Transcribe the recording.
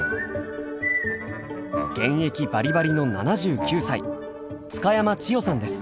現役バリバリの７９歳津嘉山千代さんです。